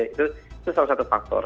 itu salah satu faktor